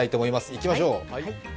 行きましょう。